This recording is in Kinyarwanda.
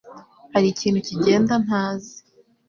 Hari ikintu kigenda ntazi?